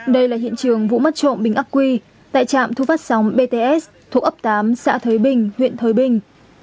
đây là hiện trường vụ mất trộm bình ác quy tại trạm thu phát sóng bts thuộc ấp tám xã thới bình huyện thới bình